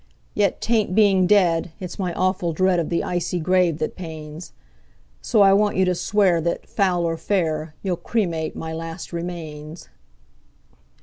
Yet 'tain't being dead it's my awful dread of the icy grave that pains; So I want you to swear that, foul or fair, you'll cremate my last remains."